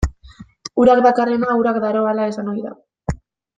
Urak dakarrena urak daroala esan ohi da.